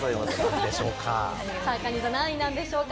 かに座は何位なんでしょうか？